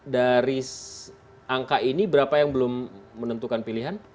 dari angka ini berapa yang belum menentukan pilihan